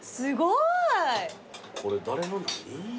これ誰の何？